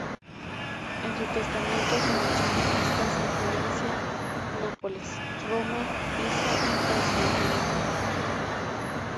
En su testamento se mencionan vistas de Florencia, Nápoles, Roma, Pisa y Constantinopla.